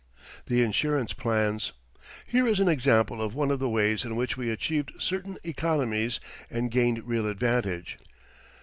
THE INSURANCE PLANS Here is an example of one of the ways in which we achieved certain economies and gained real advantage.